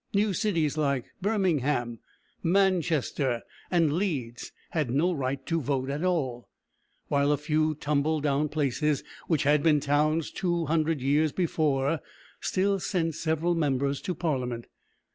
New cities like Bir´ming ham, Man´ches ter, and Leeds had no right to vote at all, while a few tumble down places, which had been towns two hundred years before, still sent several members to Parliament.